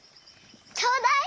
ちょうだい！